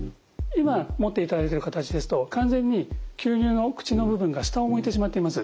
今持っていただいてる形ですと完全に吸入の口の部分が下を向いてしまっています。